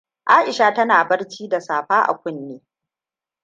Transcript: Aisha tana barci da safa a kunne.